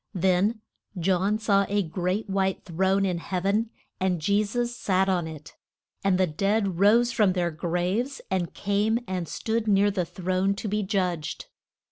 Then John saw a great white throne in heav en, and Je sus sat on it. And the dead rose from their graves, and came and stood near the throne to be judged.